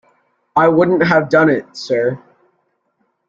I wouldn't have done it, sir.